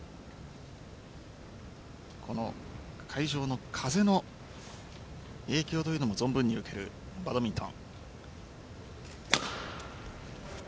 この会場の風の影響というのも存分に受けるバドミントン。